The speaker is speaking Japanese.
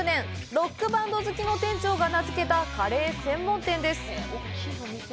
ロックバンド好きの店長が名付けたカレー専門店です